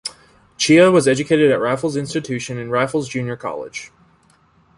Xie was educated at Raffles Institution and Raffles Junior College.